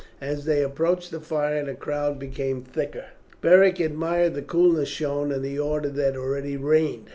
As they approached the fire the crowd became thicker. Beric admired the coolness shown and the order that already reigned.